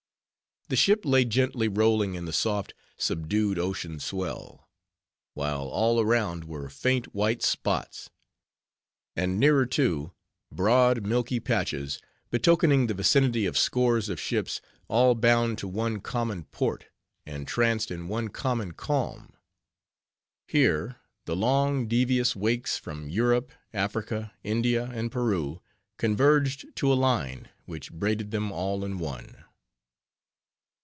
The ship lay gently rolling in the soft, subdued ocean swell; while all around were faint white spots; and nearer to, broad, milky patches, betokening the vicinity of scores of ships, all bound to one common port, and tranced in one common calm. Here the long, devious wakes from Europe, Africa, India, and Peru converged to a line, which braided them all in one.